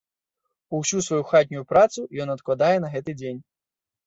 Усю сваю хатнюю працу ён адкладае на гэты дзень.